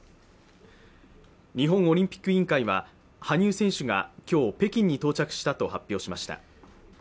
日本オリンピック委員会は羽生選手が今日、北京に到着したと発表しました。